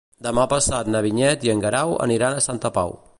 Demà passat na Vinyet i en Guerau aniran a Santa Pau.